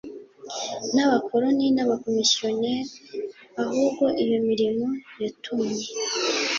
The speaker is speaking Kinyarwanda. n abakoroni n abamisiyoneri Ahubwo iyo mirimo yatumye